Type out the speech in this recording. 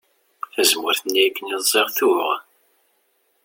Tazemmurt-nni akken i ẓẓiɣ tuɣ.